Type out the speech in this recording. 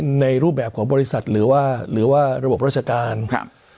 ไม่ว่าจะในรูปแบบของบริษัทหรือว่าระบบรัชการนะครับ